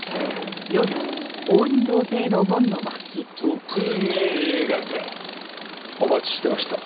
特命係！お待ちしてました。